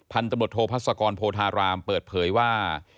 ตำรวจโทพัศกรโพธารามเปิดเผยว่า